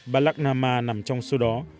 bà lạc nama nằm trong số đó